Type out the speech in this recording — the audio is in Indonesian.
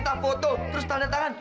ada yang minta foto terus tanda tangan